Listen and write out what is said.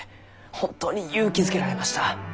本当に勇気づけられました。